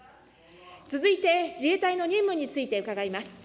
続いて、自衛隊の任務について伺います。